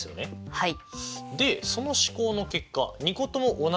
はい。